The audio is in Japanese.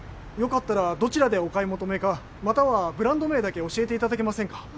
よかったらどちらでお買い求めかまたはブランド名だけ教えていただけませんか？